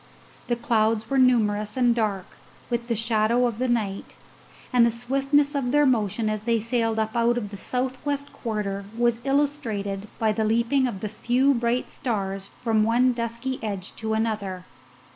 The clouds were numerous and dark with the shadow of the night; and the swiftness of their motion as they sailed up out of the south west quarter was illustrated by the leaping of the few bright stars from one dusky edge to another.